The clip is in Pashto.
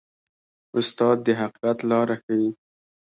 استاد د حقیقت لاره ښيي.